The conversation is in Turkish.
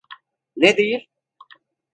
Ne değil?